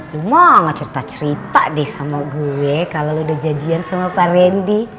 lu mau cerita cerita deh sama gue kalau udah jadian sama pak randy